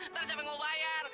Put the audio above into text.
ntar sampe mau bayar